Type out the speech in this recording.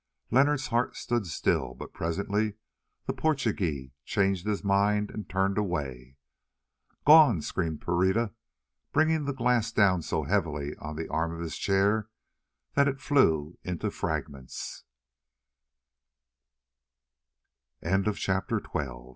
Leonard's heart stood still, but presently the Portugee changed his mind and turned away. "Gone!" screamed Pereira, bringing the glass down so heavily on the arm of his chair that it flew into frag